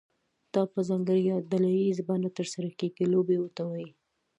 دا په ځانګړې یا ډله ییزه بڼه ترسره کیږي لوبې ورته وایي.